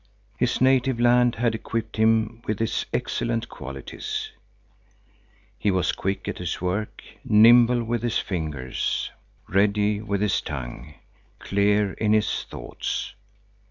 His native land had equipped him with its excellent qualities. He was quick at his work, nimble with his fingers, ready with his tongue, clear in his thoughts.